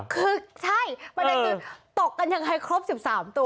คือใช่ประเด็นคือตกกันยังไงครบ๑๓ตัว